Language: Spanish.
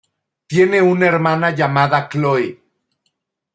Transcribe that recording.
Tiene una hermana llamada Chloe.